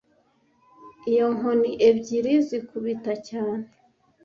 iyo nkoni ebyiri zikubita cyane